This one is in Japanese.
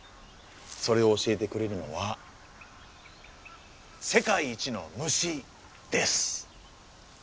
それを教えてくれるのは「世界一の虫」です。